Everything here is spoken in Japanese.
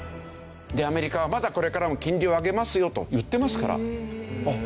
アメリカはまだこれからも金利を上げますよと言ってますからあっ